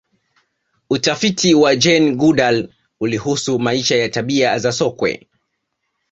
utafiti wa jane goodal ulihusu maisha na tabia za sokwe